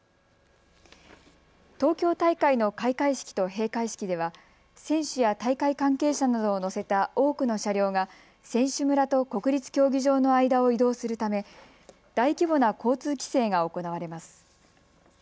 東京大会の開会式と閉会式では選手や大会関係者などを乗せた多くの車両が選手村と国立競技場の間を移動するため大規模な交通規制が行われます。